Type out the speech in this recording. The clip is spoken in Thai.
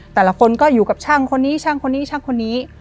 แต่ละคนก็อยู่กับช่างคนนี้ช่างคนนี้ช่างคนนี้